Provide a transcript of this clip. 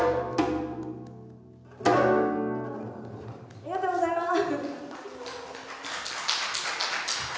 ありがとうございます！